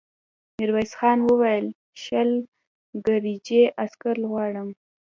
ميرويس خان وويل: شل ګرجي عسکر غواړم.